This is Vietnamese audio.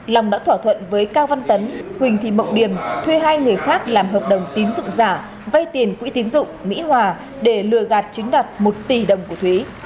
long đã thỏa thuận với cao văn tấn huỳnh thị mộc điềm thuê hai người khác làm hợp đồng tín dụng giả vay tiền quỹ tín dụng mỹ hòa để lừa gạt chứng đạt một tỷ đồng của thúy